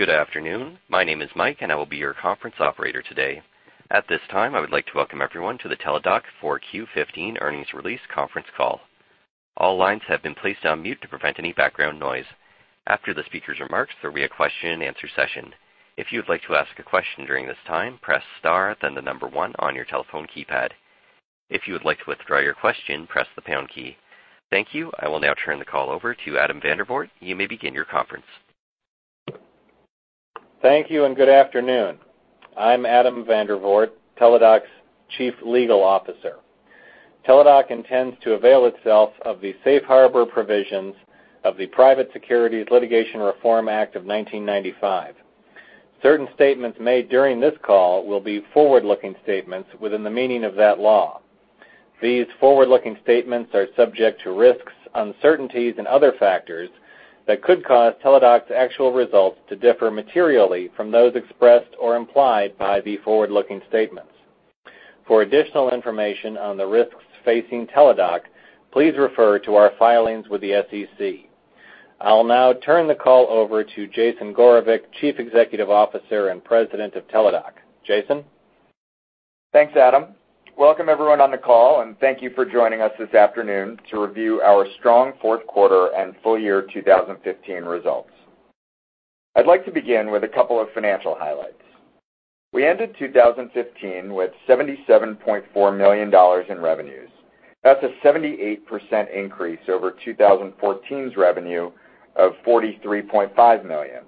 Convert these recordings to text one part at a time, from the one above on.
Good afternoon. My name is Mike, and I will be your conference operator today. At this time, I would like to welcome everyone to the Teladoc Q4 2015 earnings release conference call. All lines have been placed on mute to prevent any background noise. After the speakers' remarks, there will be a question-and-answer session. If you would like to ask a question during this time, press star, then the number 1 on your telephone keypad. If you would like to withdraw your question, press the pound key. Thank you. I will now turn the call over to Adam Vandervoort. You may begin your conference. Thank you. Good afternoon. I'm Adam Vandervoort, Teladoc's Chief Legal Officer. Teladoc intends to avail itself of the safe harbor provisions of the Private Securities Litigation Reform Act of 1995. Certain statements made during this call will be forward-looking statements within the meaning of that law. These forward-looking statements are subject to risks, uncertainties, and other factors that could cause Teladoc's actual results to differ materially from those expressed or implied by the forward-looking statements. For additional information on the risks facing Teladoc, please refer to our filings with the SEC. I'll now turn the call over to Jason Gorevic, Chief Executive Officer and President of Teladoc. Jason? Thanks, Adam. Welcome, everyone on the call, thank you for joining us this afternoon to review our strong fourth quarter and full year 2015 results. I'd like to begin with a couple of financial highlights. We ended 2015 with $77.4 million in revenues. That's a 78% increase over 2014's revenue of $43.5 million.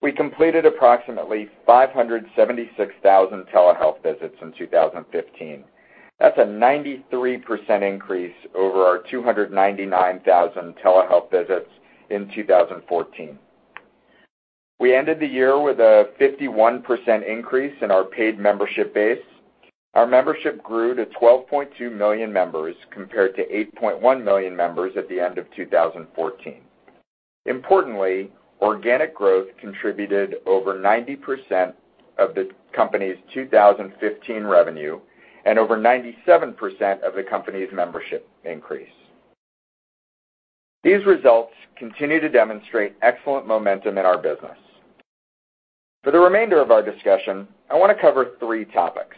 We completed approximately 576,000 telehealth visits in 2015. That's a 93% increase over our 299,000 telehealth visits in 2014. We ended the year with a 51% increase in our paid membership base. Our membership grew to 12.2 million members compared to 8.1 million members at the end of 2014. Importantly, organic growth contributed over 90% of the company's 2015 revenue and over 97% of the company's membership increase. These results continue to demonstrate excellent momentum in our business. For the remainder of our discussion, I wanna cover three topics.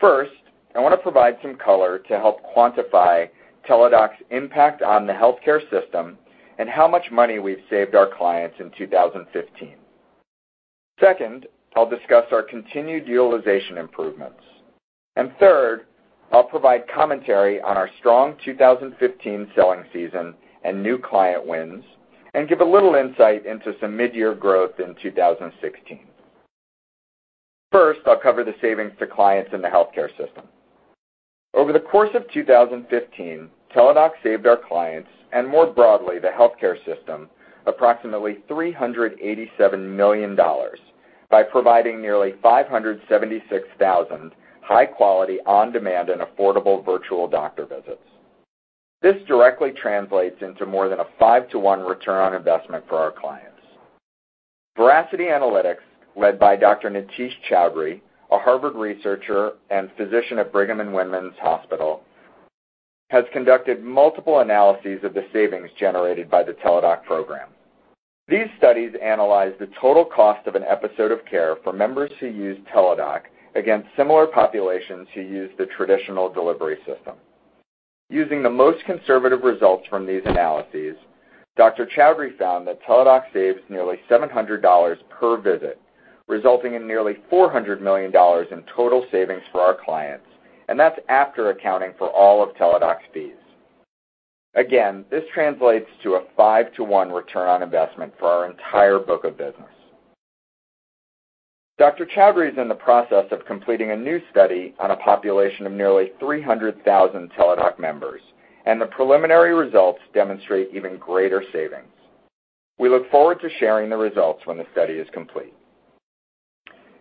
First, I wanna provide some color to help quantify Teladoc's impact on the healthcare system and how much money we've saved our clients in 2015. Second, I'll discuss our continued utilization improvements. Third, I'll provide commentary on our strong 2015 selling season and new client wins and give a little insight into some midyear growth in 2016. First, I'll cover the savings to clients in the healthcare system. Over the course of 2015, Teladoc saved our clients, and more broadly, the healthcare system, approximately $387 million by providing nearly 576,000 high quality, on-demand, and affordable virtual doctor visits. This directly translates into more than a 5 to 1 return on investment for our clients. Veracity Analytics, led by Dr. Niteesh Choudhry, a Harvard University researcher and physician at Brigham and Women's Hospital, has conducted multiple analyses of the savings generated by the Teladoc program. These studies analyze the total cost of an episode of care for members who use Teladoc against similar populations who use the traditional delivery system. Using the most conservative results from these analyses, Dr. Choudhry found that Teladoc saves nearly $700 per visit, resulting in nearly $400 million in total savings for our clients, and that's after accounting for all of Teladoc's fees. Again, this translates to a 5 to 1 ROI for our entire book of business. Dr. Choudhry is in the process of completing a new study on a population of nearly 300,000 Teladoc members, and the preliminary results demonstrate even greater savings. We look forward to sharing the results when the study is complete.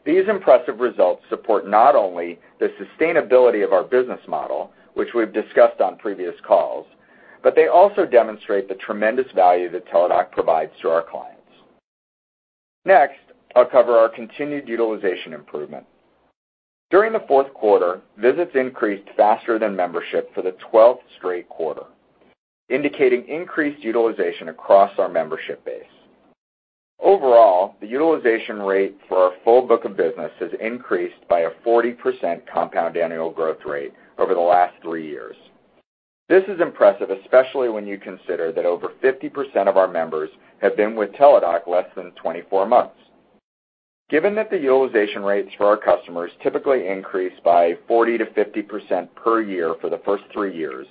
These impressive results support not only the sustainability of our business model, which we've discussed on previous calls, but they also demonstrate the tremendous value that Teladoc provides to our clients. Next, I'll cover our continued utilization improvement. During the Q4, visits increased faster than membership for the 12th straight quarter, indicating increased utilization across our membership base. Overall, the utilization rate for our full book of business has increased by a 40% compound annual growth rate over the last three years. This is impressive, especially when you consider that over 50% of our members have been with Teladoc less than 24 months. Given that the utilization rates for our customers typically increase by 40%-50% per year for the first three years,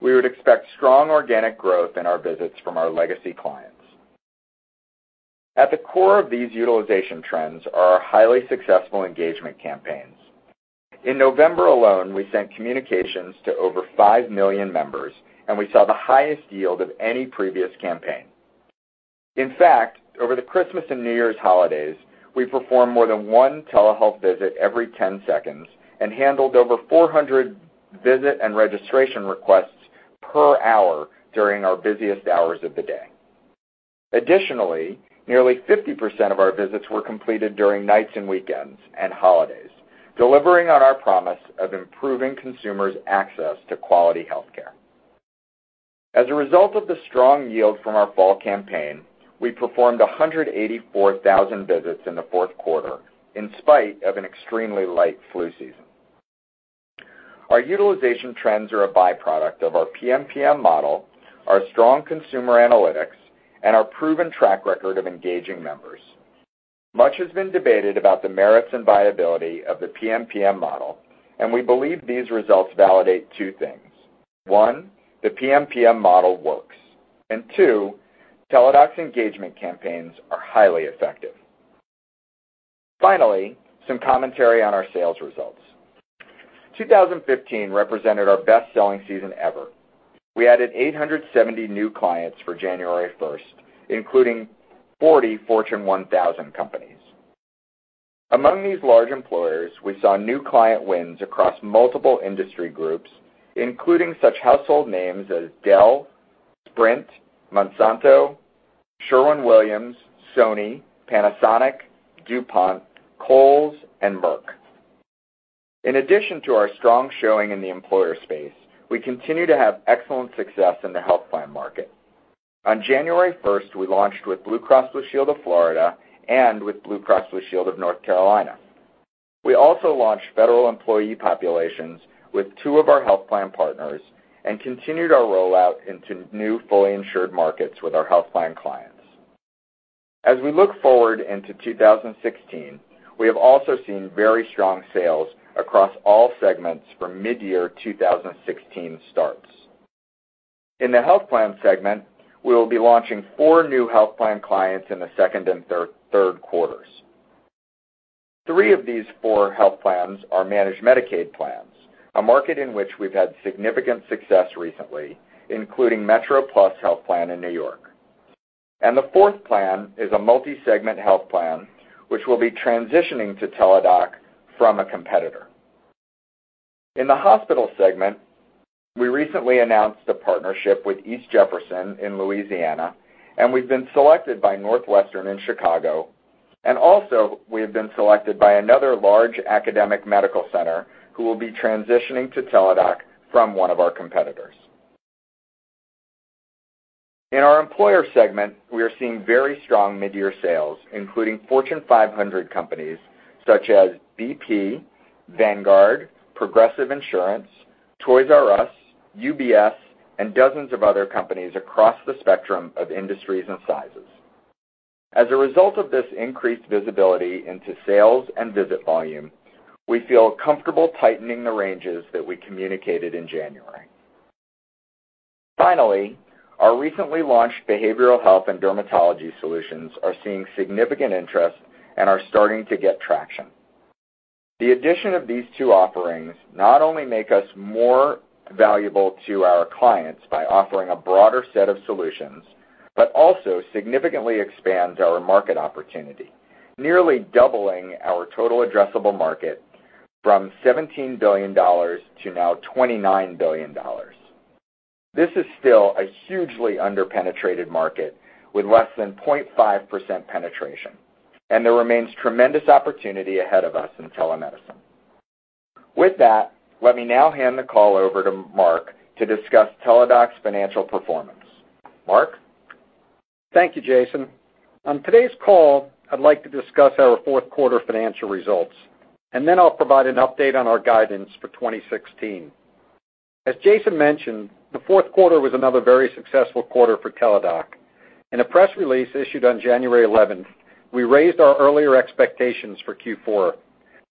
we would expect strong organic growth in our visits from our legacy clients. At the core of these utilization trends are our highly successful engagement campaigns. In November alone, we sent communications to over 5 million members, and we saw the highest yield of any previous campaign. In fact, over the Christmas and New Year's holidays, we performed more than one telehealth visit every 10 seconds and handled over 400 visit and registration requests per hour during our busiest hours of the day. Additionally, nearly 50% of our visits were completed during nights and weekends and holidays. Delivering on our promise of improving consumers' access to quality healthcare. As a result of the strong yield from our fall campaign, we performed 184,000 visits in the Q4 in spite of an extremely light flu season. Our utilization trends are a byproduct of our PMPM model, our strong consumer analytics, and our proven track record of engaging members. Much has been debated about the merits and viability of the PMPM model, and we believe these results validate two things. One, the PMPM model works, and two, Teladoc's engagement campaigns are highly effective. Finally, some commentary on our sales results. 2015 represented our best selling season ever. We added 870 new clients for January 1st, including 40 Fortune 1000 companies. Among these large employers, we saw new client wins across multiple industry groups, including such household names as Dell, Sprint, Monsanto, Sherwin-Williams, Sony, Panasonic, DuPont, Kohl's, and Merck. In addition to our strong showing in the employer space, we continue to have excellent success in the health plan market. On January 1st, we launched with Blue Cross and Blue Shield of Florida and with Blue Cross and Blue Shield of North Carolina. We also launched federal employee populations with two of our health plan partners. We continued our rollout into new fully insured markets with our health plan clients. As we look forward into 2016, we have also seen very strong sales across all segments for midyear 2016 starts. In the health plan segment, we will be launching four new health plan clients in the second and third quarters. Three of these four health plans are managed Medicaid plans, a market in which we've had significant success recently, including MetroPlusHealth in N.Y. The fourth plan is a multi-segment health plan, which will be transitioning to Teladoc from a competitor. In the hospital segment, we recently announced a partnership with East Jefferson in Louisiana. We've been selected by Northwestern in Chicago. Also, we have been selected by another large academic medical center who will be transitioning to Teladoc from one of our competitors. In our employer segment, we are seeing very strong midyear sales, including Fortune 500 companies such as BP, Vanguard, Progressive Insurance, Toys "R" Us, UBS, and dozens of other companies across the spectrum of industries and sizes. As a result of this increased visibility into sales and visit volume, we feel comfortable tightening the ranges that we communicated in January. Finally, our recently launched behavioral health and dermatology solutions are seeing significant interest and are starting to get traction. The addition of these two offerings not only make us more valuable to our clients by offering a broader set of solutions, but also significantly expands our market opportunity, nearly doubling our total addressable market from $17 billion-$29 billion. This is still a hugely under-penetrated market with less than 0.5% penetration. There remains tremendous opportunity ahead of us in telemedicine. With that, let me now hand the call over to Mark to discuss Teladoc's financial performance. Mark? Thank you, Jason. On today's call, I'd like to discuss our fourth quarter financial results. Then I'll provide an update on our guidance for 2016. As Jason mentioned, the fourth quarter was another very successful quarter for Teladoc. In a press release issued on January 11th, we raised our earlier expectations for Q4.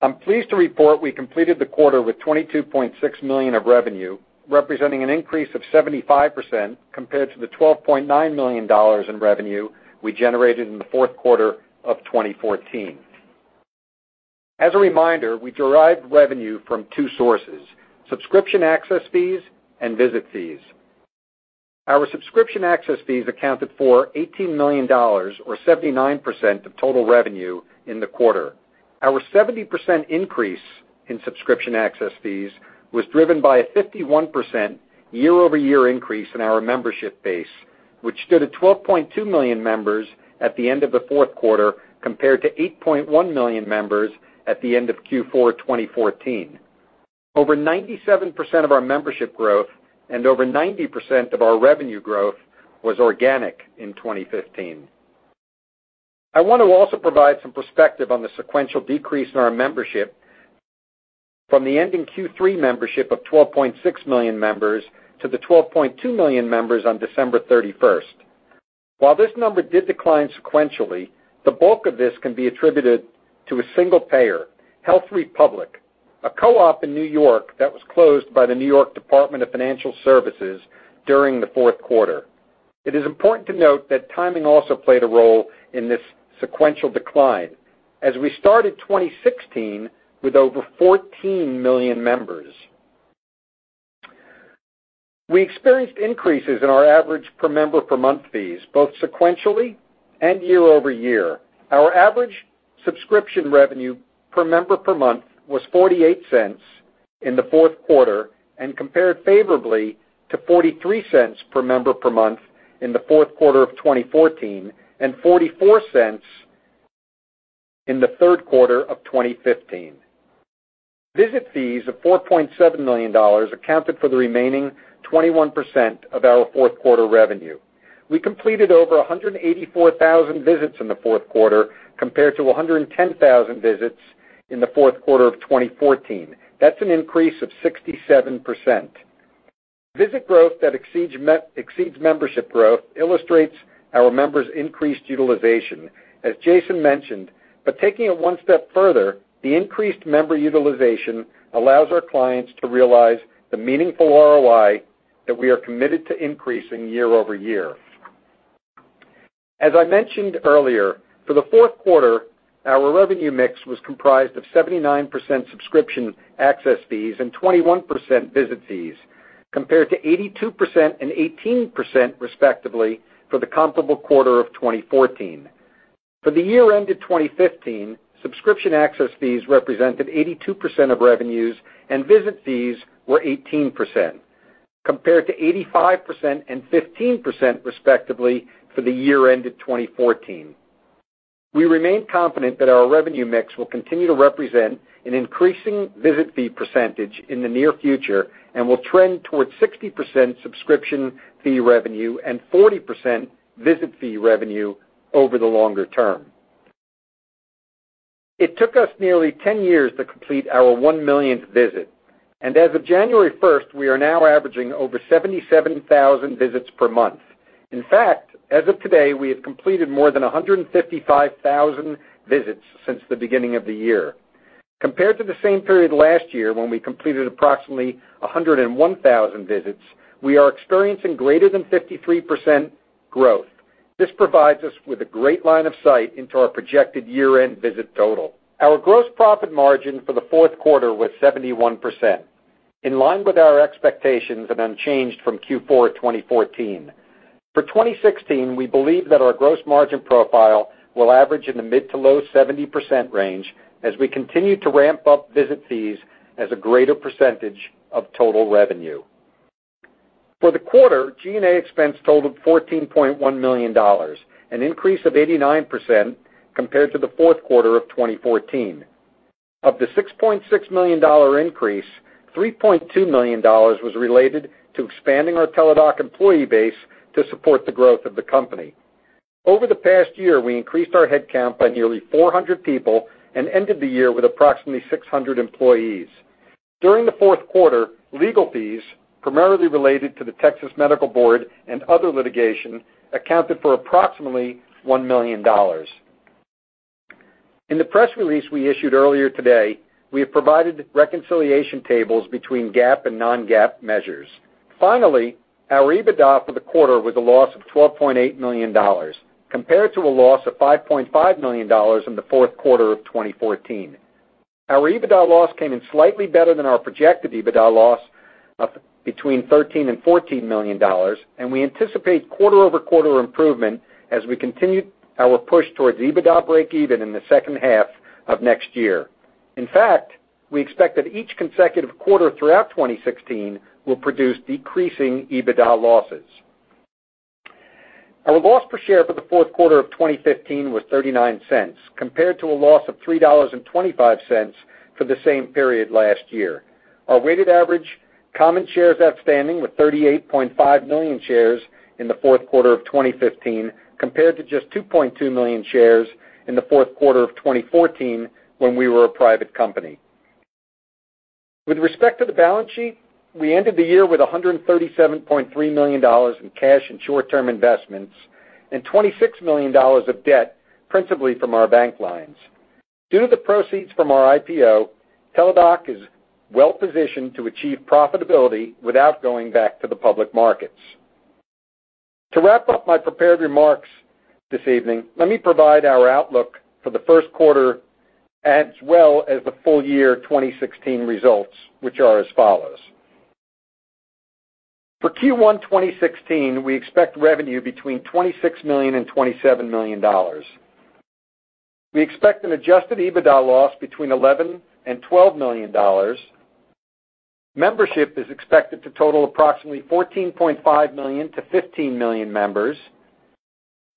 I'm pleased to report we completed the quarter with $22.6 million of revenue, representing an increase of 75% compared to the $12.9 million in revenue we generated in the fourth quarter of 2014. As a reminder, we derived revenue from two sources, subscription access fees and visit fees. Our subscription access fees accounted for $18 million, or 79%, of total revenue in the quarter. Our 70% increase in subscription access fees was driven by a 51% year-over-year increase in our membership base, which stood at 12.2 million members at the end of the fourth quarter, compared to 8.1 million members at the end of Q4 2014. Over 97% of our membership growth and over 90% of our revenue growth was organic in 2015. I want to also provide some perspective on the sequential decrease in our membership from the ending Q3 membership of 12.6 million members to the 12.2 million members on December 31st. While this number did decline sequentially, the bulk of this can be attributed to a single payer, Health Republic, a co-op in N.Y. that was closed by the New York State Department of Financial Services during the fourth quarter. It is important to note that timing also played a role in this sequential decline, as we started 2016 with over 14 million members. We experienced increases in our average per member per month fees, both sequentially and year-over-year. Our average subscription revenue per member per month was $0.48 in the fourth quarter and compared favorably to $0.43 per member per month in the fourth quarter of 2014 and $0.44 in the third quarter of 2015. Visit fees of $4.7 million accounted for the remaining 21% of our fourth quarter revenue. We completed over 184,000 visits in the fourth quarter compared to 110,000 visits in the fourth quarter of 2014. That's an increase of 67%. Visit growth that exceeds membership growth illustrates our members' increased utilization, as Jason mentioned. Taking it one step further, the increased member utilization allows our clients to realize the meaningful ROI that we are committed to increasing year-over-year. As I mentioned earlier, for the fourth quarter, our revenue mix was comprised of 79% subscription access fees and 21% visit fees, compared to 82% and 18%, respectively, for the comparable quarter of 2014. For the year ended 2015, subscription access fees represented 82% of revenues and visit fees were 18%, compared to 85% and 15%, respectively, for the year ended 2014. We remain confident that our revenue mix will continue to represent an increasing visit fee percentage in the near future and will trend towards 60% subscription fee revenue and 40% visit fee revenue over the longer term. It took us nearly 10 years to complete our 1 millionth visit, and as of January 1st, we are now averaging over 77,000 visits per month. In fact, as of today, we have completed more than 155,000 visits since the beginning of the year. Compared to the same period last year, when we completed approximately 101,000 visits, we are experiencing greater than 53% growth. This provides us with a great line of sight into our projected year-end visit total. Our gross profit margin for the fourth quarter was 71%, in line with our expectations and unchanged from Q4 2014. For 2016, we believe that our gross margin profile will average in the mid to low 70% range as we continue to ramp up visit fees as a greater percentage of total revenue. For the quarter, G&A expense totaled $14.1 million, an increase of 89% compared to the fourth quarter of 2014. Of the $6.6 million increase, $3.2 million was related to expanding our Teladoc employee base to support the growth of the company. Over the past year, we increased our headcount by nearly 400 people and ended the year with approximately 600 employees. During the fourth quarter, legal fees, primarily related to the Texas Medical Board and other litigation, accounted for approximately $1 million. In the press release we issued earlier today, we have provided reconciliation tables between GAAP and non-GAAP measures. Finally, our EBITDA for the quarter was a loss of $12.8 million, compared to a loss of $5.5 million in the fourth quarter of 2014. Our EBITDA loss came in slightly better than our projected EBITDA loss of between $13 million and $14 million. We anticipate quarter-over-quarter improvement as we continue our push towards EBITDA breakeven in the second half of next year. In fact, we expect that each consecutive quarter throughout 2016 will produce decreasing EBITDA losses. Our loss per share for the fourth quarter of 2015 was $0.39, compared to a loss of $3.25 for the same period last year. Our weighted average common shares outstanding were 38.5 million shares in the fourth quarter of 2015, compared to just 2.2 million shares in the fourth quarter of 2014, when we were a private company. With respect to the balance sheet, we ended the year with $137.3 million in cash and short-term investments and $26 million of debt, principally from our bank lines. Due to the proceeds from our IPO, Teladoc is well-positioned to achieve profitability without going back to the public markets. To wrap up my prepared remarks this evening, let me provide our outlook for the first quarter as well as the full year 2016 results, which are as follows. For Q1 2016, we expect revenue between $26 million and $27 million. We expect an adjusted EBITDA loss between $11 million and $12 million. Membership is expected to total approximately 14.5 million to 15 million members.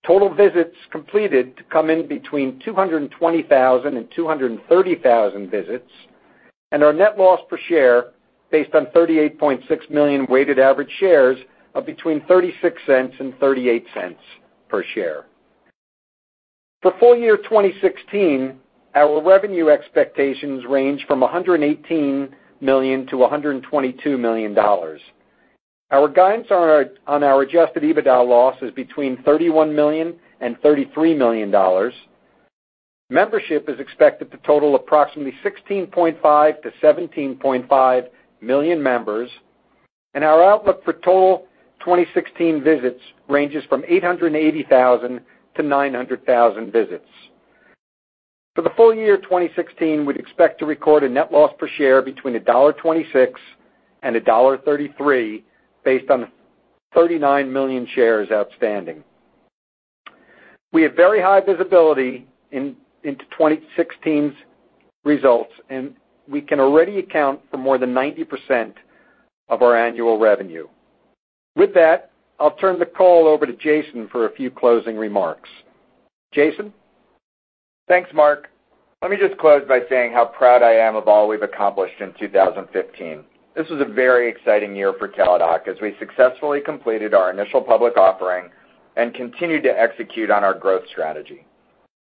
Total visits completed to come in between 220,000 and 230,000 visits. Our net loss per share, based on 38.6 million weighted average shares, of between $0.36 and $0.38 per share. For full year 2016, our revenue expectations range from $118 million to $122 million. Our guidance on our adjusted EBITDA loss is between $31 million and $33 million. Membership is expected to total approximately 16.5 million to 17.5 million members. Our outlook for total 2016 visits ranges from 880,000 to 900,000 visits. For the full year 2016, we'd expect to record a net loss per share between $1.26 and $1.33 based on 39 million shares outstanding. We have very high visibility into 2016's results, and we can already account for more than 90% of our annual revenue. With that, I'll turn the call over to Jason for a few closing remarks. Jason? Thanks, Mark. Let me just close by saying how proud I am of all we've accomplished in 2015. This was a very exciting year for Teladoc as we successfully completed our initial public offering and continued to execute on our growth strategy.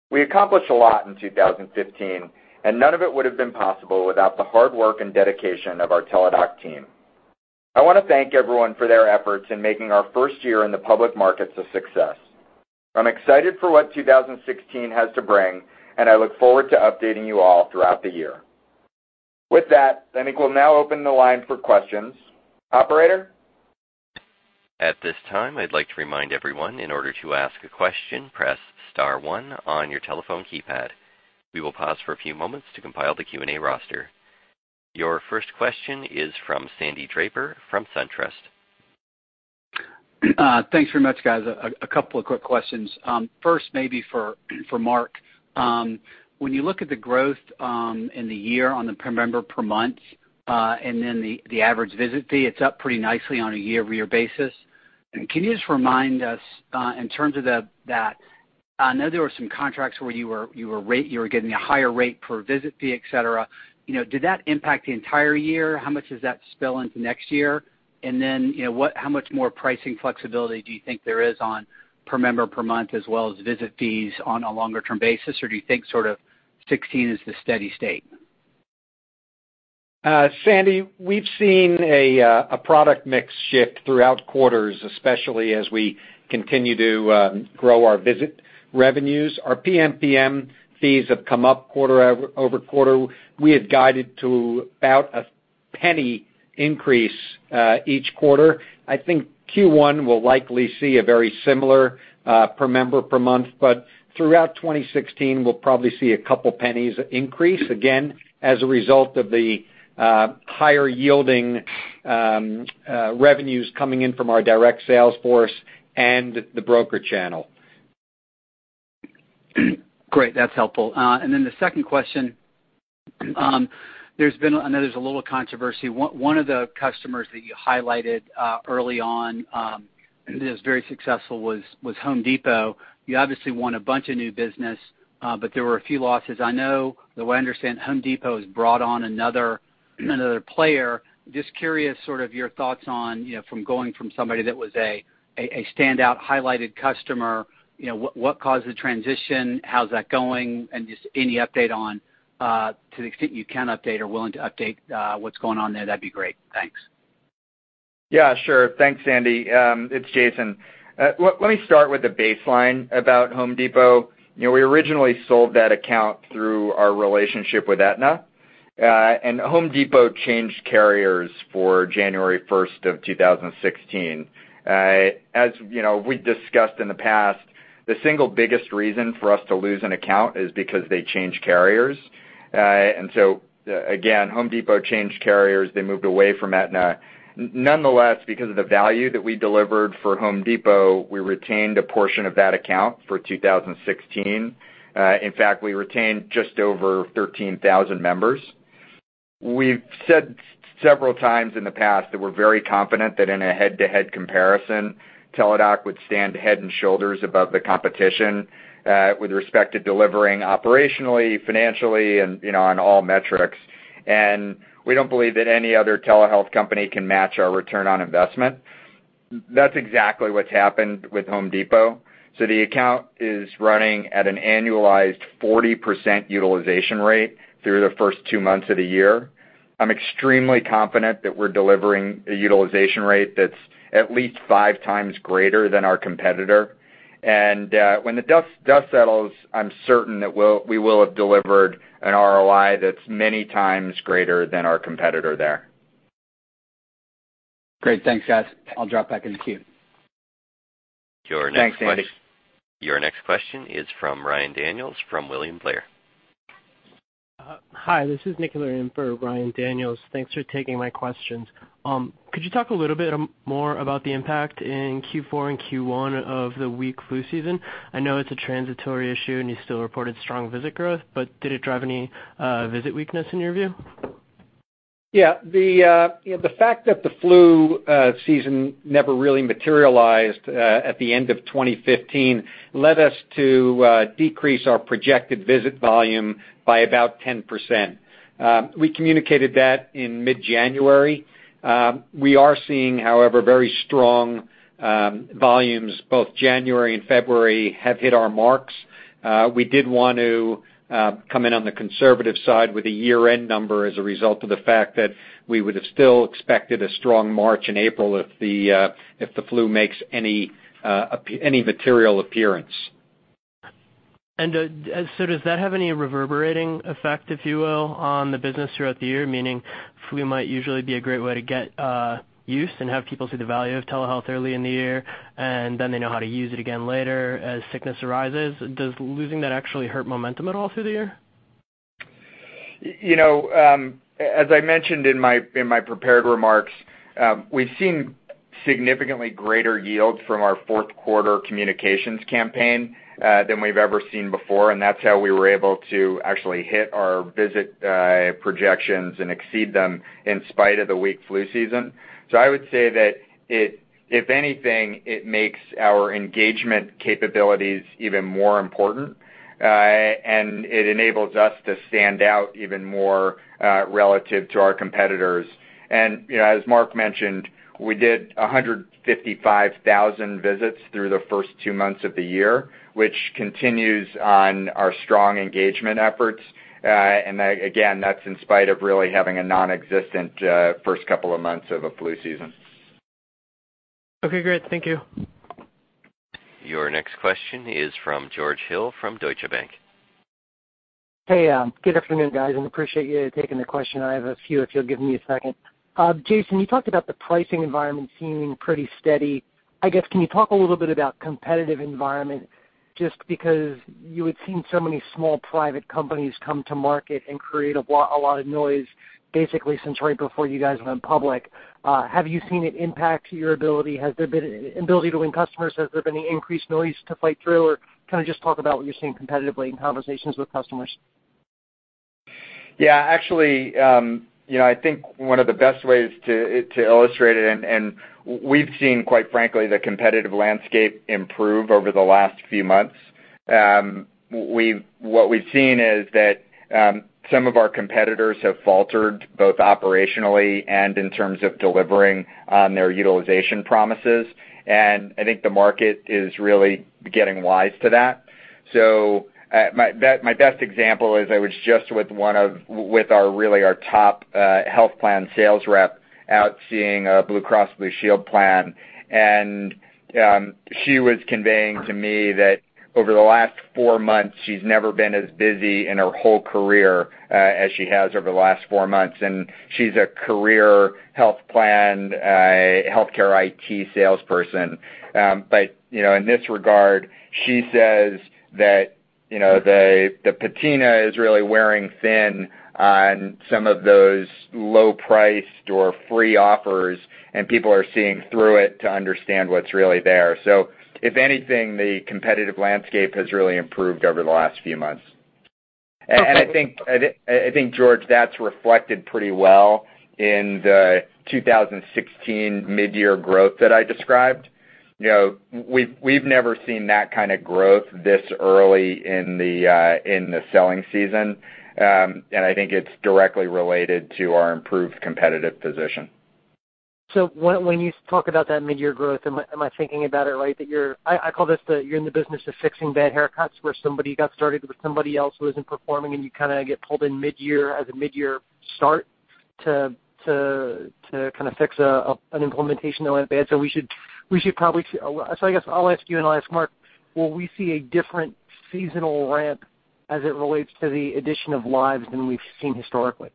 We accomplished a lot in 2015, and none of it would've been possible without the hard work and dedication of our Teladoc team. I want to thank everyone for their efforts in making our first year in the public markets a success. I'm excited for what 2016 has to bring, and I look forward to updating you all throughout the year. With that, I think we'll now open the line for questions. Operator? At this time, I'd like to remind everyone, in order to ask a question, press *1 on your telephone keypad. We will pause for a few moments to compile the Q&A roster. Your first question is from Sandy Draper from SunTrust. Thanks very much, guys. A couple of quick questions. First, maybe for Mark. When you look at the growth in the year on the per member per month, and then the average visit fee, it's up pretty nicely on a year-over-year basis. Can you just remind us in terms of that, I know there were some contracts where you were getting a higher rate per visit fee, et cetera. Did that impact the entire year? How much does that spill into next year? Then, how much more pricing flexibility do you think there is on per member per month as well as visit fees on a longer-term basis? Or do you think sort of 2016 is the steady state? Sandy, we've seen a product mix shift throughout quarters, especially as we continue to grow our visit revenues. Our PMPM fees have come up quarter-over-quarter. We had guided to about a $0.01 increase each quarter. I think Q1 will likely see a very similar per member per month, but throughout 2016, we'll probably see a $0.02 increase, again, as a result of the higher-yielding revenues coming in from our direct sales force and the broker channel. Great. That's helpful. Then the second question. I know there's a little controversy. One of the customers that you highlighted early on that was very successful was The Home Depot. You obviously won a bunch of new business, but there were a few losses. I know, the way I understand, The Home Depot has brought on another player. Just curious, sort of your thoughts on from going from somebody that was a standout highlighted customer, what caused the transition? How's that going? Just any update on to the extent you can update or willing to update what's going on there, that'd be great. Thanks. Yeah, sure. Thanks, Sandy Draper. It's Jason Gorevic. Let me start with the baseline about The Home Depot. We originally sold that account through our relationship with Aetna. The Home Depot changed carriers for January 1st of 2016. As we've discussed in the past, the single biggest reason for us to lose an account is because they change carriers. Again, The Home Depot changed carriers. They moved away from Aetna. Nonetheless, because of the value that we delivered for The Home Depot, we retained a portion of that account for 2016. In fact, we retained just over 13,000 members. We've said several times in the past that we're very confident that in a head-to-head comparison, Teladoc would stand head and shoulders above the competition with respect to delivering operationally, financially, and on all metrics. We don't believe that any other telehealth company can match our return on investment. That's exactly what's happened with The Home Depot. The account is running at an annualized 40% utilization rate through the first two months of the year. I'm extremely confident that we're delivering a utilization rate that's at least five times greater than our competitor. When the dust settles, I'm certain that we will have delivered an ROI that's many times greater than our competitor there. Great. Thanks, guys. I'll drop back in the queue. Thanks, Sandy. Your next question is from Ryan Daniels from William Blair. Hi, this is Nick Laramee in for Ryan Daniels. Thanks for taking my questions. Could you talk a little bit more about the impact in Q4 and Q1 of the weak flu season? I know it's a transitory issue, and you still reported strong visit growth, but did it drive any visit weakness in your view? Yeah. The fact that the flu season never really materialized at the end of 2015 led us to decrease our projected visit volume by about 10%. We communicated that in mid-January. We are seeing, however, very strong volumes. Both January and February have hit our marks. We did want to come in on the conservative side with a year-end number as a result of the fact that we would've still expected a strong March and April if the flu makes any material appearance. Does that have any reverberating effect, if you will, on the business throughout the year, meaning flu might usually be a great way to get use and have people see the value of telehealth early in the year, then they know how to use it again later as sickness arises? Does losing that actually hurt momentum at all through the year? As I mentioned in my prepared remarks, we've seen significantly greater yield from our fourth quarter communications campaign than we've ever seen before, that's how we were able to actually hit our visit projections and exceed them in spite of the weak flu season. I would say that if anything, it makes our engagement capabilities even more important, it enables us to stand out even more relative to our competitors. As Mark mentioned, we did 155,000 visits through the first two months of the year, which continues on our strong engagement efforts. Again, that's in spite of really having a non-existent first couple of months of a flu season. Okay, great. Thank you. Your next question is from George Hill from Deutsche Bank. Hey, good afternoon, guys. Appreciate you taking the question. I have a few, if you'll give me a second. Jason, you talked about the pricing environment seeming pretty steady. Can you talk a little bit about competitive environment, just because you had seen so many small private companies come to market and create a lot of noise, basically since right before you guys went public. Have you seen it impact your ability to win customers? Has there been any increased noise to fight through? Kind of just talk about what you're seeing competitively in conversations with customers. I think one of the best ways to illustrate it, we've seen, quite frankly, the competitive landscape improve over the last few months. What we've seen is that some of our competitors have faltered, both operationally and in terms of delivering on their utilization promises. I think the market is really getting wise to that. My best example is I was just with our top health plan sales rep out seeing a Blue Cross Blue Shield plan, and she was conveying to me that over the last four months, she's never been as busy in her whole career as she has over the last four months, and she's a career health plan, healthcare IT salesperson. In this regard, she says that the patina is really wearing thin on some of those low-priced or free offers, and people are seeing through it to understand what's really there. If anything, the competitive landscape has really improved over the last few months. I think, George, that's reflected pretty well in the 2016 mid-year growth that I described. We've never seen that kind of growth this early in the selling season, and I think it's directly related to our improved competitive position. When you talk about that mid-year growth, am I thinking about it right? I call this the you're in the business of fixing bad haircuts, where somebody got started with somebody else who isn't performing, and you get pulled in as a mid-year start to fix an implementation that went bad. I'll ask you and I'll ask Mark, will we see a different seasonal ramp as it relates to the addition of lives than we've seen historically?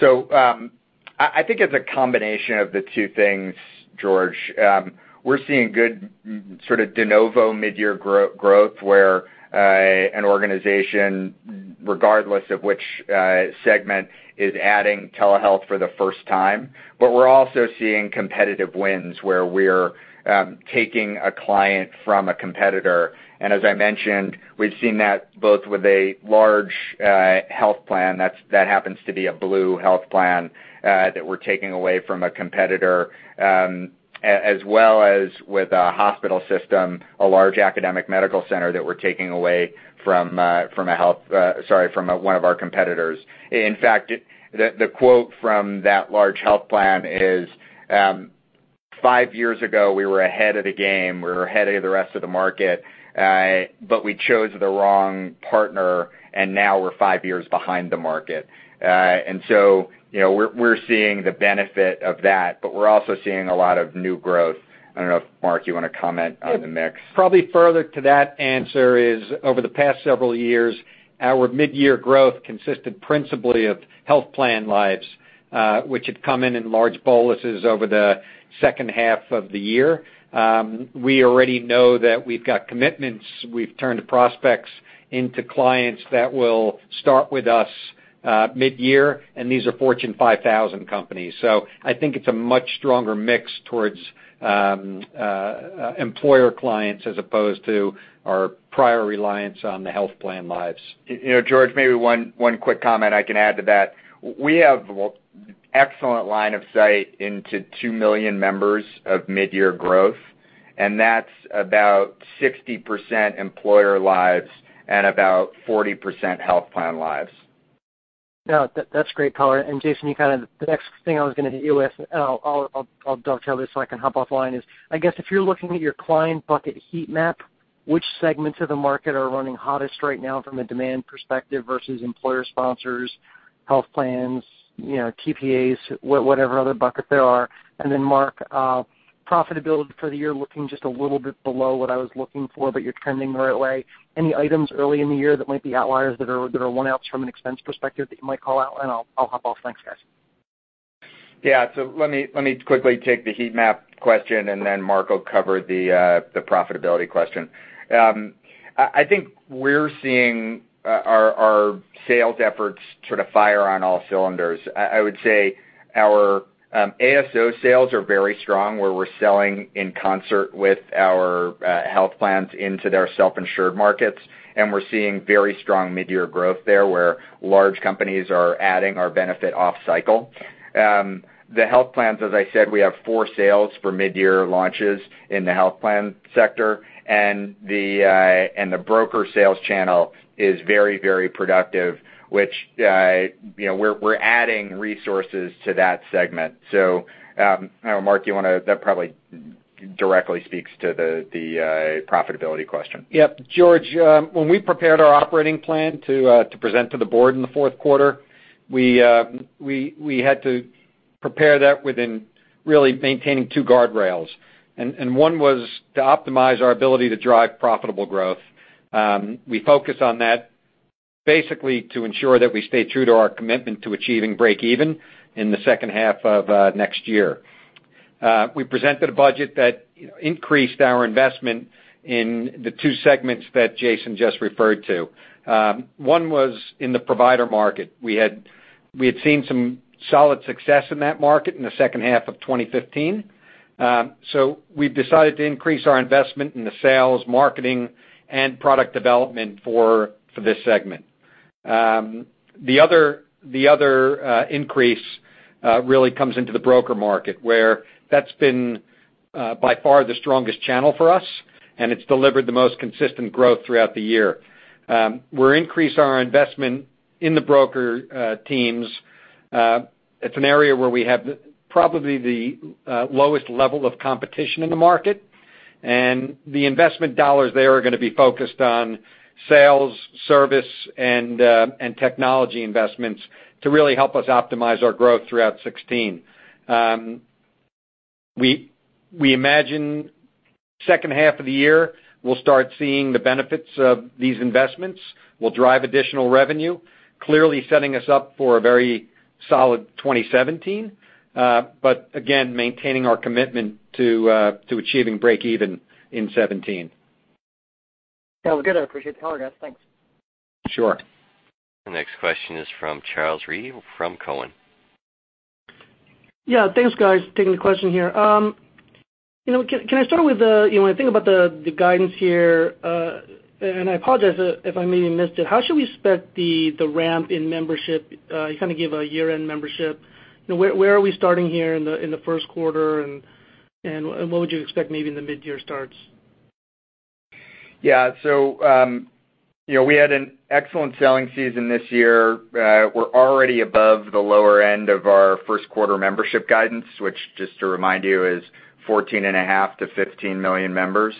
I think it's a combination of the two things, George Hill. We're seeing good sort of de novo mid-year growth, where an organization, regardless of which segment, is adding telehealth for the first time. We're also seeing competitive wins where we're taking a client from a competitor. As I mentioned, we've seen that both with a large health plan, that happens to be a Blue health plan, that we're taking away from a competitor, as well as with a hospital system, a large academic medical center that we're taking away from one of our competitors. In fact, the quote from that large health plan is, "5 years ago, we were ahead of the game. We were ahead of the rest of the market, but we chose the wrong partner, and now we're 5 years behind the market." We're seeing the benefit of that, we're also seeing a lot of new growth. I don't know if, Mark Hirschhorn, you want to comment on the mix. Probably further to that answer is over the past several years, our mid-year growth consisted principally of health plan lives, which had come in in large boluses over the second half of the year. We already know that we've got commitments. We've turned prospects into clients that will start with us mid-year, and these are Fortune 5,000 companies. I think it's a much stronger mix towards employer clients as opposed to our prior reliance on the health plan lives. George Hill, maybe one quick comment I can add to that. We have excellent line of sight into 2 million members of mid-year growth, and that's about 60% employer lives and about 40% health plan lives. No, that's great color. Jason, the next thing I was going to hit you with, and I'll dovetail this so I can hop offline, is, I guess if you're looking at your client bucket heat map, which segments of the market are running hottest right now from a demand perspective versus employer sponsors, health plans, TPAs, whatever other buckets there are? Mark, profitability for the year looking just a little bit below what I was looking for, but you're trending the right way. Any items early in the year that might be outliers that are one-offs from an expense perspective that you might call out? I'll hop off. Thanks, guys. Yeah. Let me quickly take the heat map question. Mark will cover the profitability question. I think we're seeing our sales efforts sort of fire on all cylinders. I would say our ASO sales are very strong, where we're selling in concert with our health plans into their self-insured markets, and we're seeing very strong mid-year growth there, where large companies are adding our benefit off cycle. The health plans, as I said, we have four sales for mid-year launches in the health plan sector, and the broker sales channel is very productive, which we're adding resources to that segment. Mark, that probably directly speaks to the profitability question. Yep. George, when we prepared our operating plan to present to the board in the fourth quarter, we had to prepare that within really maintaining two guardrails. One was to optimize our ability to drive profitable growth. We focus on that basically to ensure that we stay true to our commitment to achieving break even in the second half of next year. We presented a budget that increased our investment in the two segments that Jason just referred to. One was in the provider market. We had seen some solid success in that market in the second half of 2015. We've decided to increase our investment in the sales, marketing, and product development for this segment. The other increase really comes into the broker market, where that's been by far the strongest channel for us, and it's delivered the most consistent growth throughout the year. We're increasing our investment in the broker teams. It's an area where we have probably the lowest level of competition in the market, and the investment dollars there are going to be focused on sales, service, and technology investments to really help us optimize our growth throughout 2016. We imagine second half of the year, we'll start seeing the benefits of these investments. We'll drive additional revenue, clearly setting us up for a very solid 2017. Again, maintaining our commitment to achieving break even in 2017. Sounds good. I appreciate the color, guys. Thanks. Sure. The next question is from Charles Rhyee from Cowen. Yeah, thanks, guys. Taking the question here. Can I start with, when I think about the guidance here, and I apologize if I maybe missed it, how should we expect the ramp in membership? You kind of gave a year-end membership. Where are we starting here in the first quarter, and what would you expect maybe in the mid-year starts? Yeah. We had an excellent selling season this year. We're already above the lower end of our first quarter membership guidance, which just to remind you, is 14.5 million-15 million members.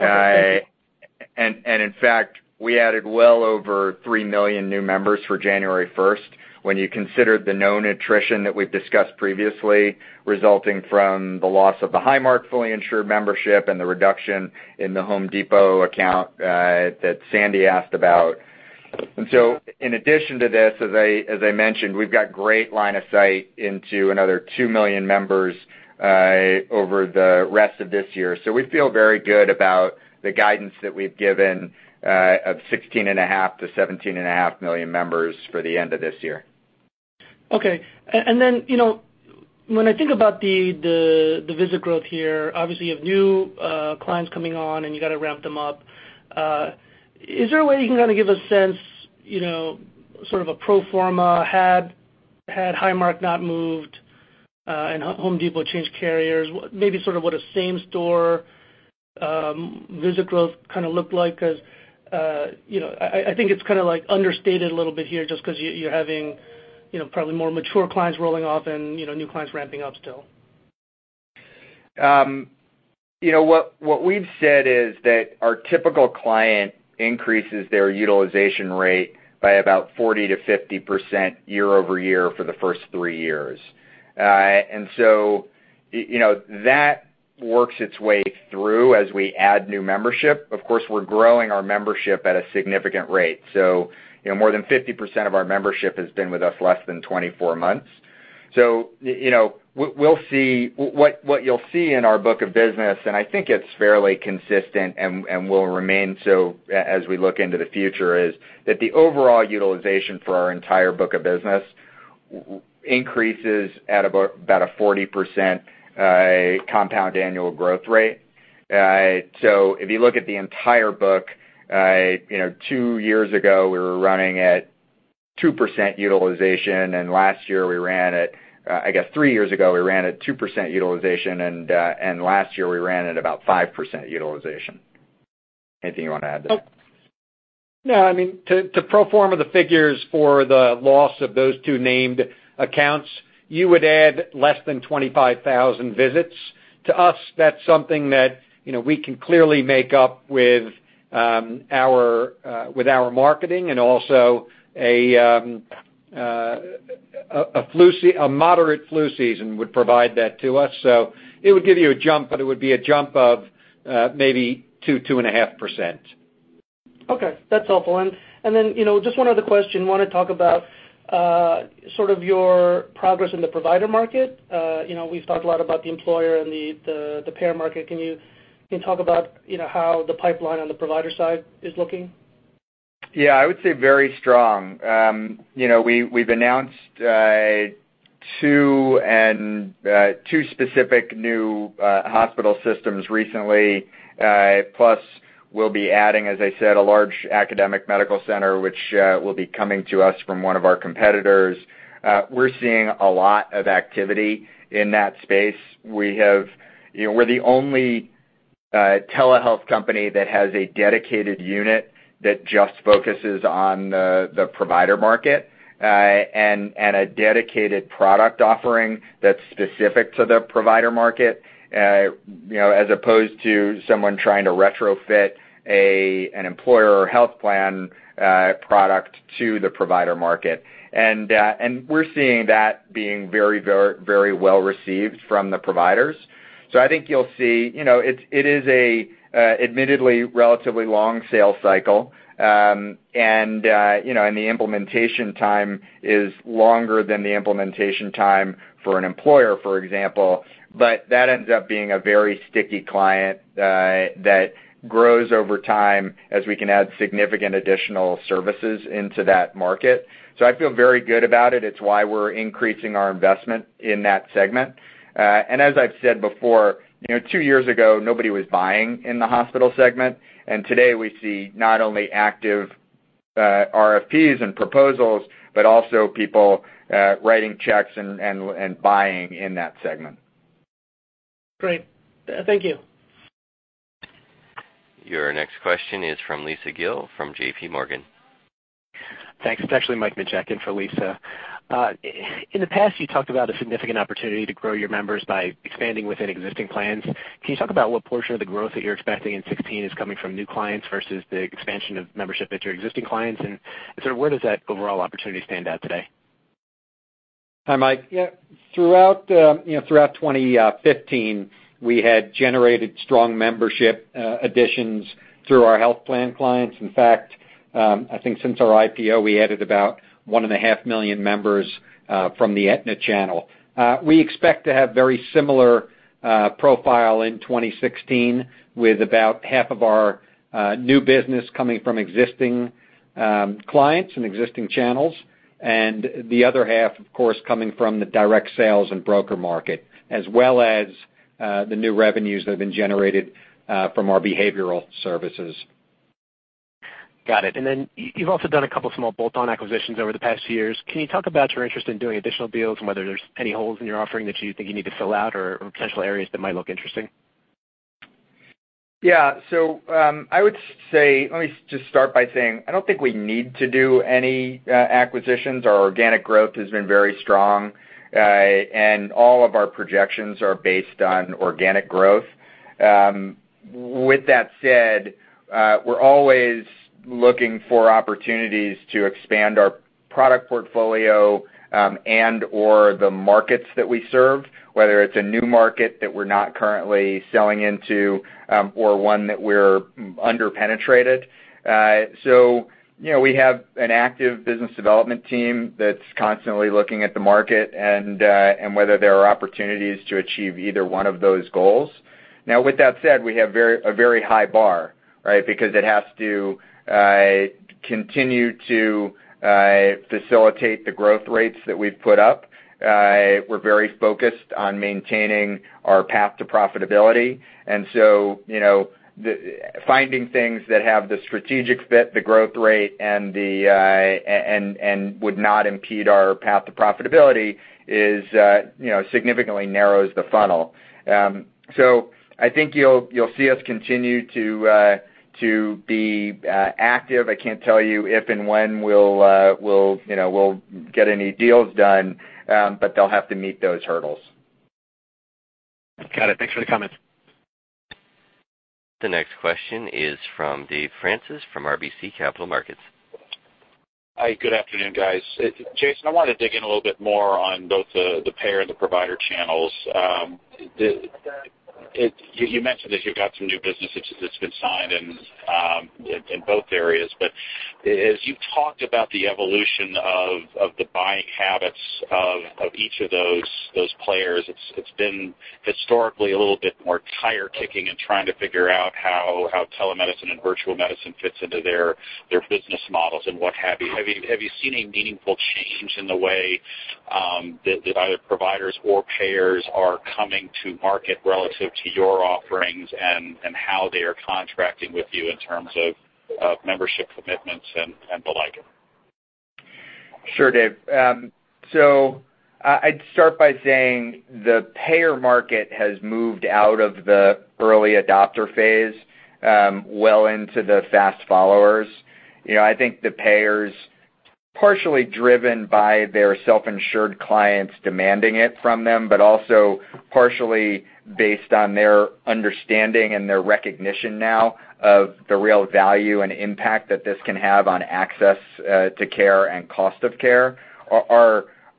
In fact, we added well over 3 million new members for January 1st when you consider the known attrition that we've discussed previously, resulting from the loss of the Highmark fully insured membership and the reduction in The Home Depot account that Sandy asked about. In addition to this, as I mentioned, we've got great line of sight into another 2 million members over the rest of this year. We feel very good about the guidance that we've given of 16.5 million-17.5 million members for the end of this year. Okay. When I think about the visit growth here, obviously you have new clients coming on and you got to ramp them up. Is there a way you can kind of give a sense, sort of a pro forma had Highmark not moved, and The Home Depot changed carriers? Maybe sort of what a same-store visit growth kind of looked like, because I think it's kind of understated a little bit here just because you're having probably more mature clients rolling off and new clients ramping up still. What we've said is that our typical client increases their utilization rate by about 40%-50% year over year for the first 3 years. That works its way through as we add new membership. Of course, we're growing our membership at a significant rate. More than 50% of our membership has been with us less than 24 months. What you'll see in our book of business, and I think it's fairly consistent and will remain so as we look into the future, is that the overall utilization for our entire book of business increases at about a 40% compound annual growth rate. If you look at the entire book, 2 years ago, we were running at 2% utilization, and last year we ran at, I guessed three years ago, we ran at 2% utilization, and last year we ran at about 5% utilization. Anything you want to add to that? No, I mean, to pro forma the figures for the loss of those two named accounts, you would add less than 25,000 visits. To us, that's something that we can clearly make up with our marketing and also a moderate flu season would provide that to us. It would give you a jump, but it would be a jump of maybe 2%, 2.5%. Okay. That's helpful. Then, just one other question. Want to talk about sort of your progress in the provider market. We've talked a lot about the employer and the payer market. Can you talk about how the pipeline on the provider side is looking? Yeah, I would say very strong. We've announced two specific new hospital systems recently, plus we'll be adding, as I said, a large academic medical center, which will be coming to us from one of our competitors. We're seeing a lot of activity in that space. We're the only telehealth company that has a dedicated unit that just focuses on the provider market, and a dedicated product offering that's specific to the provider market, as opposed to someone trying to retrofit an employer or health plan product to the provider market. We're seeing that being very well received from the providers. I think you'll see, it is a, admittedly, relatively long sales cycle. The implementation time is longer than the implementation time for an employer, for example. That ends up being a very sticky client that grows over time as we can add significant additional services into that market. I feel very good about it. It's why we're increasing our investment in that segment. As I've said before, two years ago, nobody was buying in the hospital segment. Today, we see not only active RFPs and proposals, but also people writing checks and buying in that segment. Great. Thank you. Your next question is from Lisa Gill from JPMorgan. Thanks. It's actually Michael Minchak in for Lisa. In the past, you talked about a significant opportunity to grow your members by expanding within existing plans. Can you talk about what portion of the growth that you're expecting in 2016 is coming from new clients versus the expansion of membership with your existing clients? Sort of where does that overall opportunity stand out today? Hi, Mike. Yeah. Throughout 2015, we had generated strong membership additions through our health plan clients. In fact, I think since our IPO, we added about one and a half million members from the Aetna channel. We expect to have very similar profile in 2016, with about half of our new business coming from existing clients and existing channels, and the other half, of course, coming from the direct sales and broker market, as well as the new revenues that have been generated from our behavioral services. Got it. Then you've also done a couple small bolt-on acquisitions over the past years. Can you talk about your interest in doing additional deals and whether there's any holes in your offering that you think you need to fill out or potential areas that might look interesting? Yeah. I would say, let me just start by saying, I don't think we need to do any acquisitions. Our organic growth has been very strong, and all of our projections are based on organic growth. With that said, we're always looking for opportunities to expand our product portfolio and/or the markets that we serve, whether it's a new market that we're not currently selling into, or one that we're under-penetrated. We have an active business development team that's constantly looking at the market and whether there are opportunities to achieve either one of those goals. Now, with that said, we have a very high bar, right? Because it has to continue to facilitate the growth rates that we've put up. We're very focused on maintaining our path to profitability. Finding things that have the strategic fit, the growth rate, and would not impede our path to profitability significantly narrows the funnel. I think you'll see us continue to be active. I can't tell you if and when we'll get any deals done, but they'll have to meet those hurdles. Got it. Thanks for the comment. The next question is from Dave Francis from RBC Capital Markets. Hi, good afternoon, guys. Jason, I wanted to dig in a little bit more on both the payer and the provider channels. You mentioned that you've got some new business that's been signed in both areas. As you talked about the evolution of the buying habits of each of those players, it's been historically a little bit more tire-kicking and trying to figure out how telemedicine and virtual medicine fits into their business models and what have you. Have you seen a meaningful change in the way that either providers or payers are coming to market relative to your offerings and how they are contracting with you in terms of membership commitments and the like? Sure, Dave. I'd start by saying the payer market has moved out of the early adopter phase well into the fast followers. I think the payers, partially driven by their self-insured clients demanding it from them, but also partially based on their understanding and their recognition now of the real value and impact that this can have on access to care and cost of care,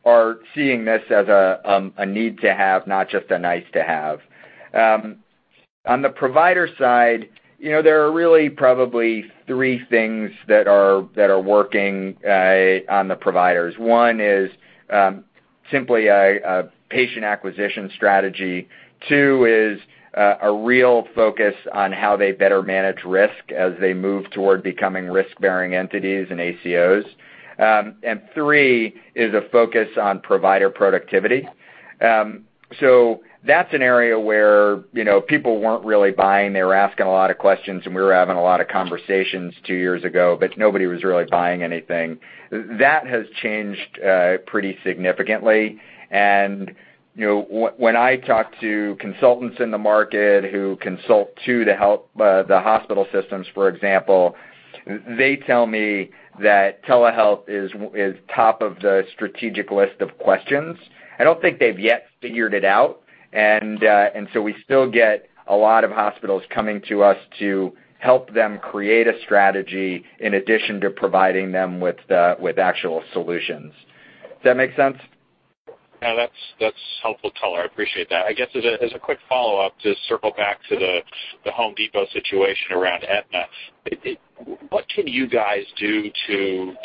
are seeing this as a need to have, not just a nice to have. On the provider side, there are really probably three things that are working on the providers. One is simply a patient acquisition strategy. Two is a real focus on how they better manage risk as they move toward becoming risk-bearing entities and ACOs. Three is a focus on provider productivity. That's an area where people weren't really buying. They were asking a lot of questions, and we were having a lot of conversations two years ago, but nobody was really buying anything. That has changed pretty significantly. When I talk to consultants in the market who consult too, the hospital systems, for example, they tell me that telehealth is top of the strategic list of questions. I don't think they've yet figured it out, and so we still get a lot of hospitals coming to us to help them create a strategy in addition to providing them with actual solutions. Does that make sense? Yeah, that's helpful, Jason. I appreciate that. I guess as a quick follow-up, to circle back to The Home Depot situation around Aetna, what can you guys do to,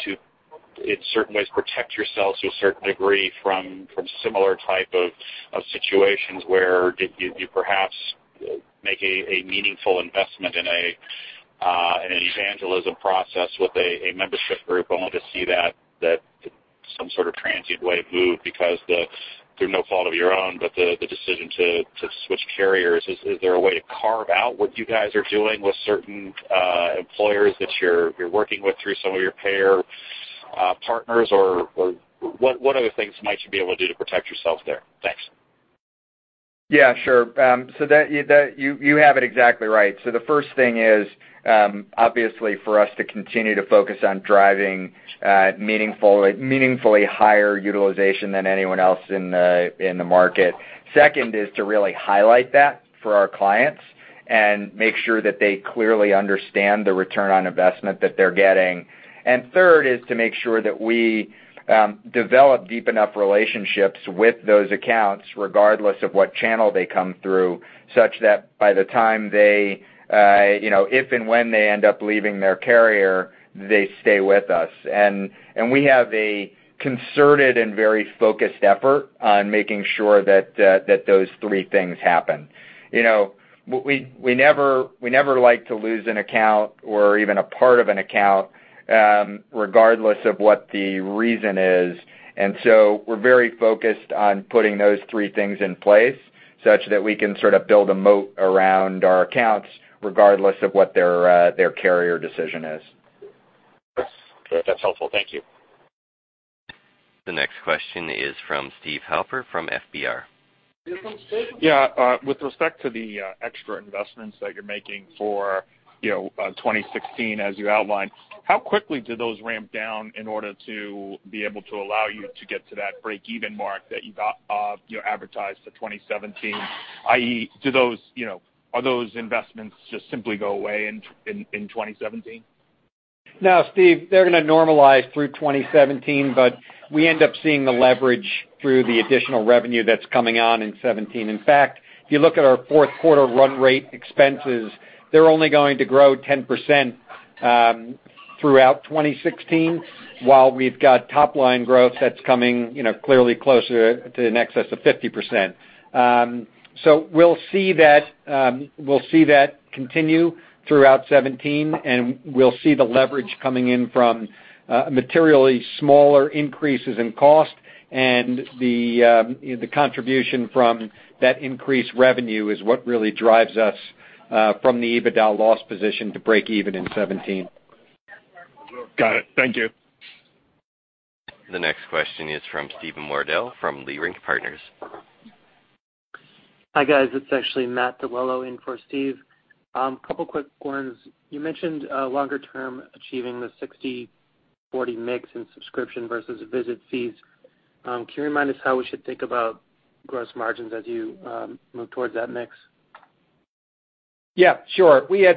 in certain ways, protect yourselves to a certain degree from similar type of situations where you perhaps make a meaningful investment in an evangelism process with a membership group, only to see that some sort of transient way move because through no fault of your own, but the decision to switch carriers. Is there a way to carve out what you guys are doing with certain employers that you're working with through some of your payer partners, or what other things might you be able to do to protect yourselves there? Thanks. Yeah, sure. You have it exactly right. The first thing is, obviously, for us to continue to focus on driving meaningfully higher utilization than anyone else in the market. Second is to really highlight that for our clients and make sure that they clearly understand the return on investment that they're getting. Third is to make sure that we develop deep enough relationships with those accounts, regardless of what channel they come through, such that by the time they, if and when they end up leaving their carrier, they stay with us. We have a concerted and very focused effort on making sure that those three things happen. We never like to lose an account or even a part of an account, regardless of what the reason is. We're very focused on putting those three things in place such that we can sort of build a moat around our accounts, regardless of what their carrier decision is. That's helpful. Thank you. The next question is from Steve Halper from FBR. Yeah. With respect to the extra investments that you're making for 2016 as you outlined, how quickly do those ramp down in order to be able to allow you to get to that break-even mark that you advertised for 2017? I.e., are those investments just simply go away in 2017? No, Steve, they're going to normalize through 2017, but we end up seeing the leverage through the additional revenue that's coming on in 2017. In fact, if you look at our fourth quarter run rate expenses, they're only going to grow 10% throughout 2016, while we've got top-line growth that's coming clearly closer to in excess of 50%. We'll see that continue throughout 2017, and we'll see the leverage coming in from materially smaller increases in cost, and the contribution from that increased revenue is what really drives us from the EBITDA loss position to break-even in 2017. Got it. Thank you. The next question is from Steven Valiquette from Leerink Partners. Hi, guys. It's actually Matthew DiGuiseppe in for Steven Valiquette. Couple quick ones. You mentioned longer term achieving the 60/40 mix in subscription versus visit fees. Can you remind us how we should think about gross margins as you move towards that mix? Sure. We had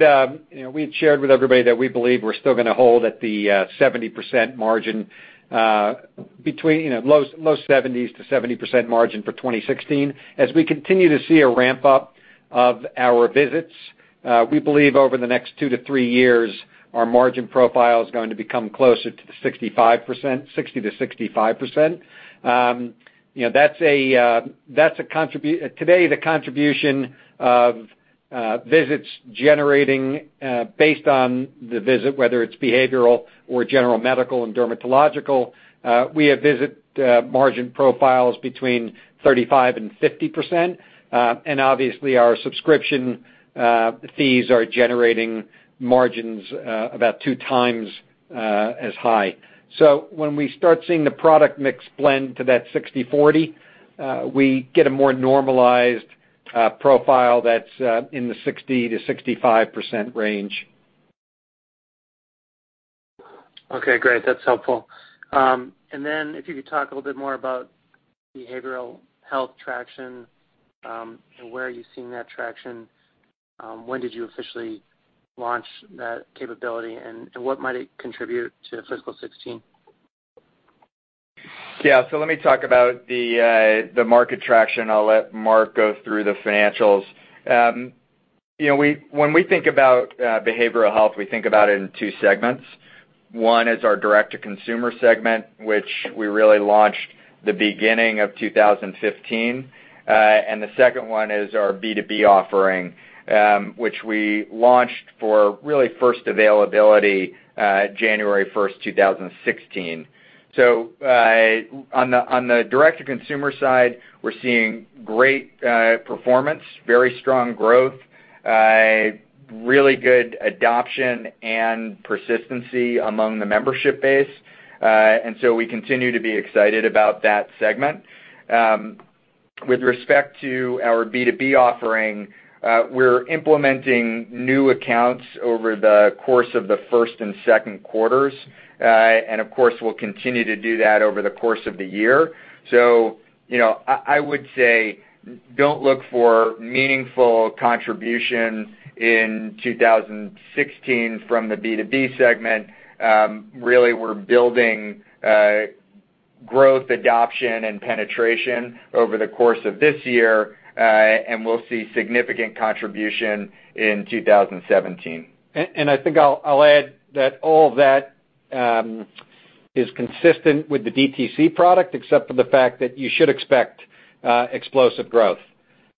shared with everybody that we believe we're still going to hold at the 70% margin, low 70s to 70% margin for 2016. As we continue to see a ramp-up of our visits, we believe over the next two to three years, our margin profile is going to become closer to the 60%-65%. Today, the contribution of visits generating based on the visit, whether it's behavioral or general medical and dermatological, we have visit margin profiles between 35% and 50%, and obviously our subscription fees are generating margins about two times as high. When we start seeing the product mix blend to that 60/40, we get a more normalized profile that's in the 60%-65% range. Okay, great. That's helpful. If you could talk a little bit more about behavioral health traction and where are you seeing that traction. When did you officially launch that capability, and what might it contribute to fiscal 2016? Let me talk about the market traction. I'll let Mark Hirschhorn go through the financials. When we think about behavioral health, we think about it in two segments. One is our direct-to-consumer segment, which we really launched the beginning of 2015. The second one is our B2B offering, which we launched for really first availability, January 1st, 2016. On the direct-to-consumer side, we're seeing great performance, very strong growth, really good adoption and persistency among the membership base. We continue to be excited about that segment. With respect to our B2B offering, we're implementing new accounts over the course of the first and second quarters. Of course, we'll continue to do that over the course of the year. I would say, don't look for meaningful contribution in 2016 from the B2B segment. Really, we're building growth, adoption, and penetration over the course of this year. We'll see significant contribution in 2017. I think I'll add that all of that is consistent with the DTC product, except for the fact that you should expect explosive growth.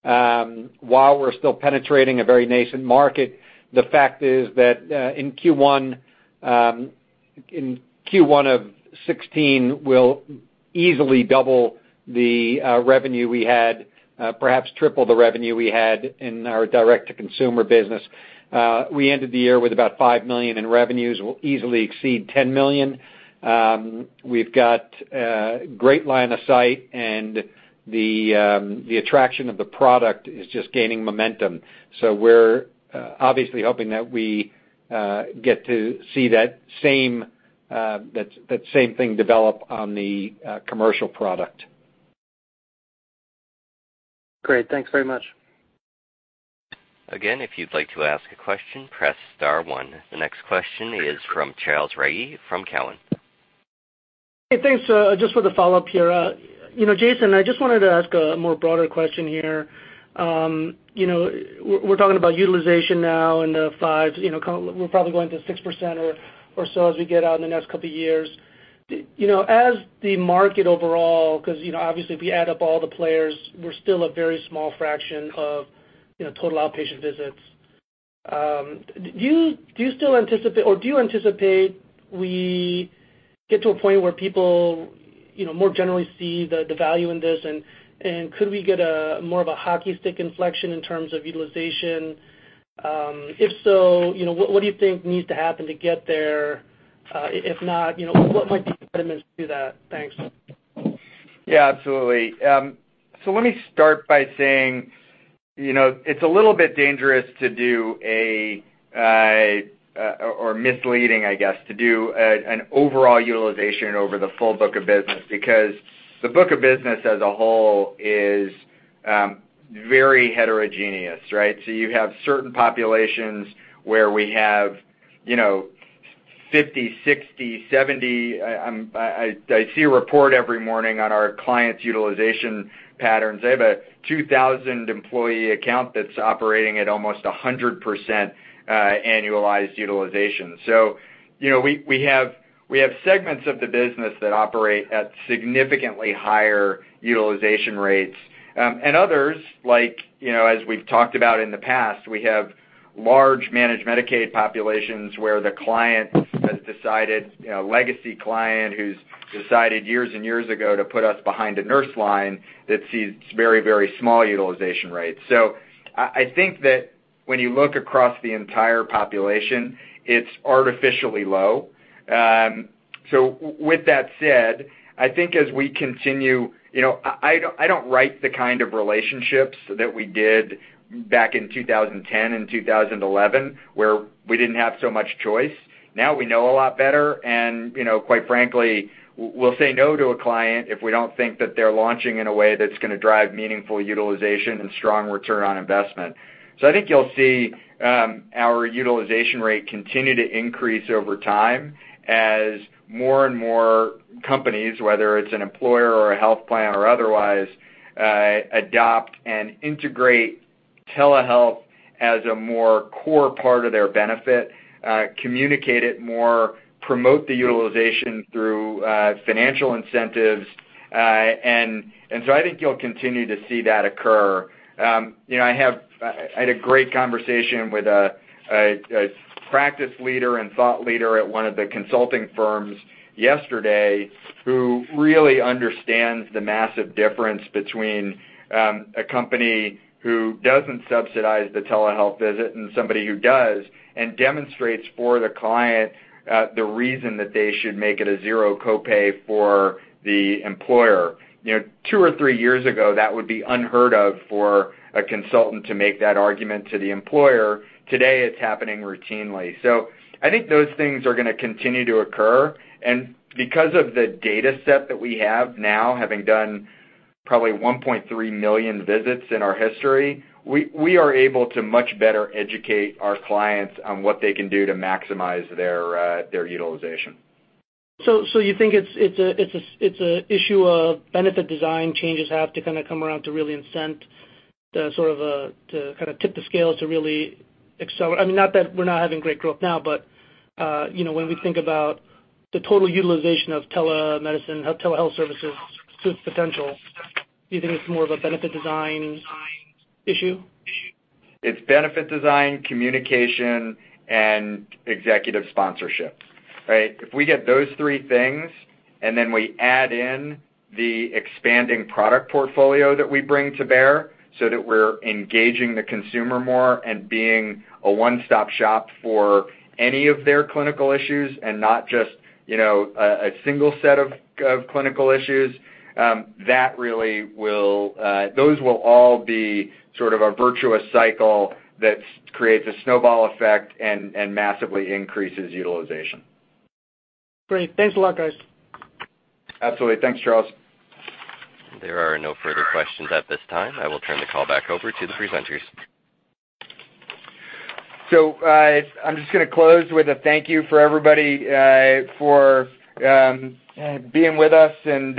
While we're still penetrating a very nascent market, the fact is that in Q1 of 2016, we'll easily double the revenue we had, perhaps triple the revenue we had in our direct-to-consumer business. We ended the year with about $5 million in revenues. We'll easily exceed $10 million. We've got great line of sight. The attraction of the product is just gaining momentum. We're obviously hoping that we get to see that same thing develop on the commercial product. Great. Thanks very much. Again, if you'd like to ask a question, press star one. The next question is from Charles Rhyee from Cowen. Thanks. Jason, I just wanted to ask a more broader question here. We're talking about utilization now in the 5s. We're probably going to 6% or so as we get out in the next couple of years. As the market overall, because obviously, if you add up all the players, we're still a very small fraction of total outpatient visits. Do you anticipate we get to a point where people more generally see the value in this? Could we get more of a hockey stick inflection in terms of utilization? If so, what do you think needs to happen to get there? If not, what might be impediments to that? Thanks. Absolutely. Let me start by saying, it's a little bit dangerous to do or misleading, I guess, to do an overall utilization over the full book of business, because the book of business as a whole is very heterogeneous, right? You have certain populations where we have 50, 60, 70. I see a report every morning on our clients' utilization patterns. They have a 2,000-employee account that's operating at almost 100% annualized utilization. We have segments of the business that operate at significantly higher utilization rates. Others, as we've talked about in the past, we have large managed Medicaid populations where the client has decided, a legacy client who's decided years and years ago to put us behind a nurse line that sees very small utilization rates. I think that when you look across the entire population, it's artificially low. With that said, I think as we continue, I don't write the kind of relationships that we did back in 2010 and 2011, where we didn't have so much choice. Now we know a lot better, and quite frankly, we'll say no to a client if we don't think that they're launching in a way that's going to drive meaningful utilization and strong ROI. I think you'll see our utilization rate continue to increase over time as more and more companies, whether it's an employer or a health plan or otherwise, adopt and integrate telehealth as a more core part of their benefit, communicate it more, promote the utilization through financial incentives. I think you'll continue to see that occur. I had a great conversation with a practice leader and thought leader at one of the consulting firms yesterday who really understands the massive difference between a company who doesn't subsidize the telehealth visit and somebody who does and demonstrates for the client the reason that they should make it a zero copay for the employer. Two or three years ago, that would be unheard of for a consultant to make that argument to the employer. Today, it's happening routinely. I think those things are going to continue to occur. Because of the data set that we have now, having done probably 1.3 million visits in our history, we are able to much better educate our clients on what they can do to maximize their utilization. You think it's a issue of benefit design changes have to kind of come around to really incent to kind of tip the scales to really accelerate. Not that we're not having great growth now, but when we think about the total utilization of telemedicine, telehealth services potential, do you think it's more of a benefit design issue? It's benefit design, communication, and executive sponsorship, right? If we get those three things and then we add in the expanding product portfolio that we bring to bear so that we're engaging the consumer more and being a one-stop shop for any of their clinical issues and not just a single set of clinical issues, those will all be sort of a virtuous cycle that creates a snowball effect and massively increases utilization. Great. Thanks a lot, guys. Absolutely. Thanks, Charles. There are no further questions at this time. I will turn the call back over to the presenters. I'm just going to close with a thank you for everybody for being with us and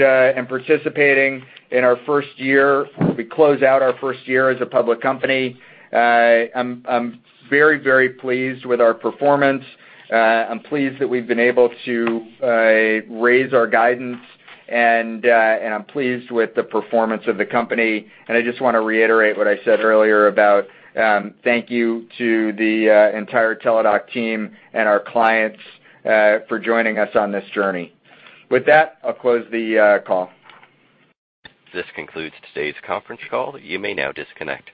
participating in our first year. We close out our first year as a public company. I'm very, very pleased with our performance. I'm pleased that we've been able to raise our guidance, and I'm pleased with the performance of the company. I just want to reiterate what I said earlier about thank you to the entire Teladoc team and our clients for joining us on this journey. With that, I'll close the call. This concludes today's conference call. You may now disconnect.